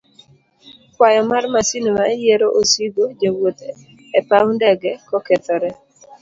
kwayo mar masin mayiero osigo, jowuoth e paw ndege kokethore.